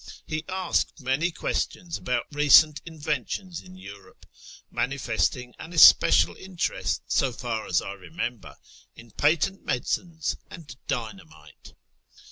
He asked many questions about recent inventions in Europe, manifesting an especial interest, so far as I remember, in patent medicines and dynamite.